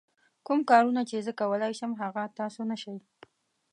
کوم کارونه چې زه کولای شم هغه تاسو نه شئ.